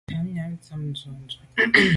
Ngabnyàm tshàm ntshob ndù.